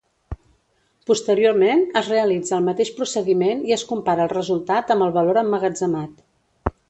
Posteriorment es realitza el mateix procediment i es compara el resultat amb el valor emmagatzemat.